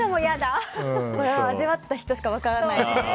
味わった人しか分からない。